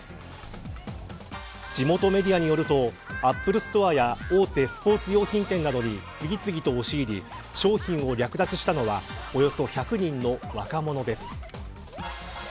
地元メディアによるとアップルストアや大手スポーツ用品店などに次々と押し入り商品を略奪したのはおよそ１００人の若者です。